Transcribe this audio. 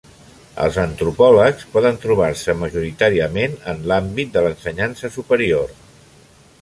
Els antropòlegs poden trobar-se majoritàriament en l'àmbit de l'ensenyança superior.